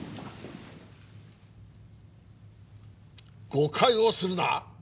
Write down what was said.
誤解をするな！